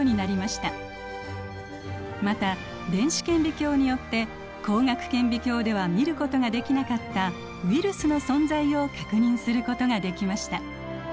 また電子顕微鏡によって光学顕微鏡では見ることができなかったウイルスの存在を確認することができました。